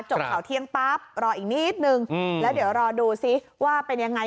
ข่าวเที่ยงปั๊บรออีกนิดนึงแล้วเดี๋ยวรอดูซิว่าเป็นยังไง